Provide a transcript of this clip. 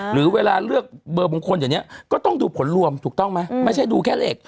หรือเวลาเลือกเบอร์มงคลอย่างนี้ก็ต้องดูผลรวมถูกต้องไหมไม่ใช่ดูแค่เหล็ก